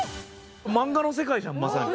漫画の世界じゃんまさに。